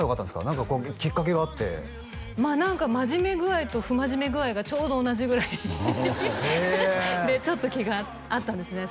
何かこうきっかけがあってまあ何か真面目具合と不真面目具合がちょうど同じぐらいでちょっと気があったんですね